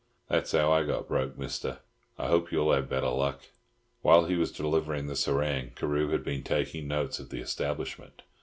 That's how I got broke, Mister. I hope you'll have better luck." While he was delivering this harangue, Carew had been taking notes of the establishment.